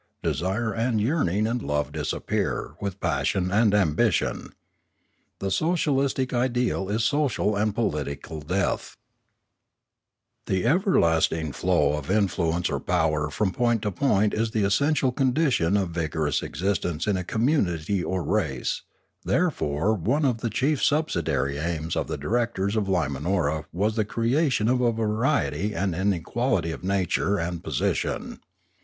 Desire and yearning and love disappear with passion and ambition. The social istic ideal is social and political death. The everlasting flow of influence or power from point to point is the essential condition of vigorous existence in a community or race, therefore one of the chief subsidiary aims of the directors of Limanora was the creation of variety and inequality of nature and position.